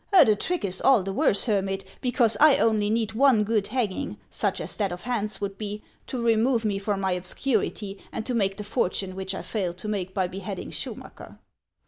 " The trick is all the worse, hermit, because I only need one good hanging, such as that of Hans would be, to remove me from my obscurity, and to make the fortune which I failed to make by beheading Schumacker."